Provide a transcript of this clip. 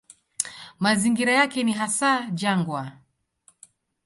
Mazingira yake ni hasa jangwa.